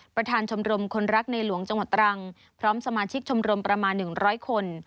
ประธานชมรมคนรักในหลวงจังหวัดตรังพร้อมสมาชิกชมรมประมาณ๑๐๐คน